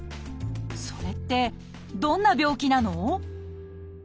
それってどんな病気なの？